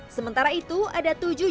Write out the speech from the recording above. sementara itu ada tujuh